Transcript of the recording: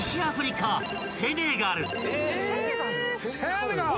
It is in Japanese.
セネガル！